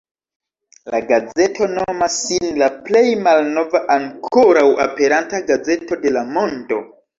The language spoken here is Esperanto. La gazeto nomas sin la plej malnova ankoraŭ aperanta gazeto de la mondo.